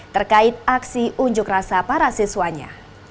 terkait aksi unjuk rasa para siswanya